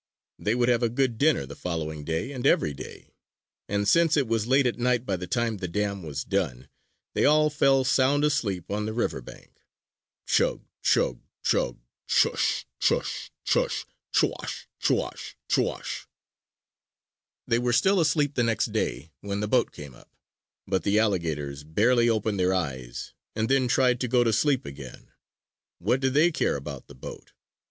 They would have a good dinner the following day and every day! And since it was late at night by the time the dam was done, they all fell sound asleep on the river bank. Chug! Chug! Chug! Chush! Chush! Chush! Cho ash h h h! Cho ash h h h! Cho ash h h h! They were still asleep, the next day, when the boat came up; but the alligators barely opened their eyes and then tried to go to sleep again. What did they care about the boat?